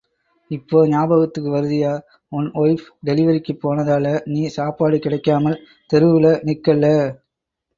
இப்போ ஞாபகத்துக்கு வருதுய்யா... one wife டெலிவரிக்குப் போனதால, நீ சாப்பாடு கிடைக்காமல் தெருவுல நிற்கல்ல?